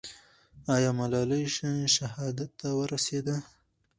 آیا ملالۍ شهادت ته ورسېده؟